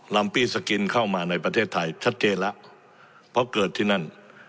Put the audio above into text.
ลำปี้สกินเข้ามาในประเทศไทยชัดเจนแล้วเพราะเกิดที่นั่น